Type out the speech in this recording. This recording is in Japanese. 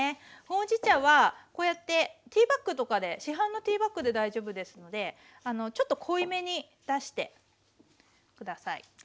ほうじ茶はこうやってティーバッグとかで市販のティーバッグで大丈夫ですのでちょっと濃いめに出して下さい。